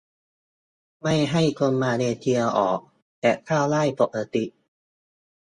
- ไม่ให้คนมาเลเซียออก แต่เข้าได้ปกติ